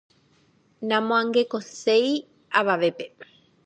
Namoangekoiséi avavépe.